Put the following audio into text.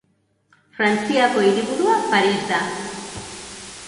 Frantziako hiriburua Paris da.